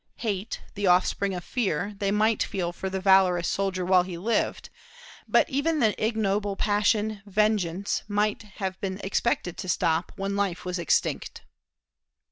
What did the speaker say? Hate, the offspring of fear, they might feel for the valorous soldier while he lived, but even the ignoble passion, vengeance, might have been expected to stop when life was extinct.